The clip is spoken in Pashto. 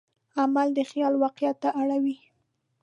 عمل د خیال واقعیت ته اړوي.